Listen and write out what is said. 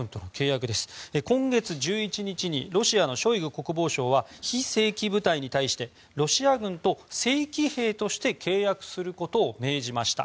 今月１１日にロシアのショイグ国防相は非正規部隊に対してロシア軍と正規兵として契約することを命じました。